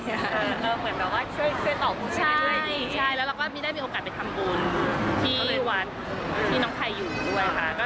เหมือนแบบว่าช่วยต่อผู้ชายใช่แล้วเราก็ไม่ได้มีโอกาสไปทำบุญที่วัดที่น้องไทยอยู่ด้วยค่ะ